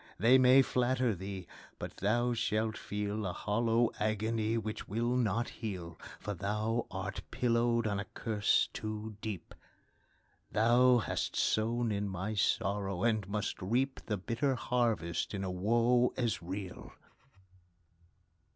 they may flatter thee, but thou shall feel A hollow agony which will not heal, For thou art pillowed on a curse too deep; Thou hast sown in my sorrow, and must reap The bitter harvest in a woe as real!